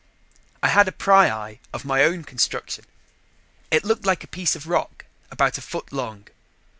I had a pryeye of my own construction. It looked like a piece of rock about a foot long.